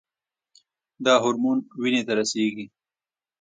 دا هورمون وینې ته رسیږي.